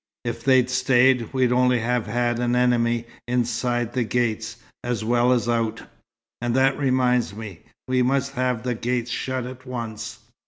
If they'd stayed, we'd only have had an enemy inside the gates, as well as out. And that reminds me, we must have the gates shut at once.